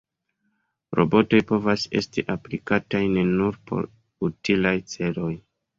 Robotoj povas esti aplikataj ne nur por utilaj celoj.